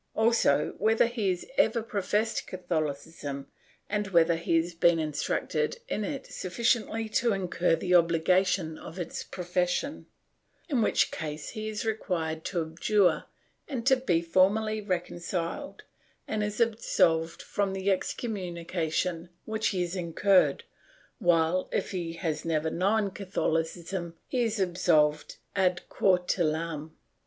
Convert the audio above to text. Also, whether he has ever professed Catholicism, and whether he has been instructed in it sufficiently to incur the obligation of its profession, in which case he is required to abjure and to be formally reconciled and is absolved from the excommunication which he has incurred, while, if he has never known Catholicism, he is absolved ad cautelam.